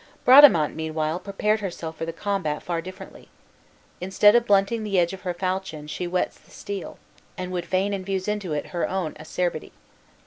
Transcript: Bradamante, meanwhile, prepared herself for the combat far differently. Instead of blunting the edge of her falchion she whets the steel, and would fain infuse into it her own acerbity.